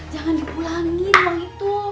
jangan dipulangin uang itu